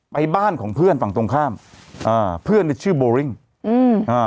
บ้านของเพื่อนฝั่งตรงข้ามอ่าเพื่อนเนี้ยชื่อโบริ่งอืมอ่า